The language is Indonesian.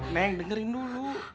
neng dengerin dulu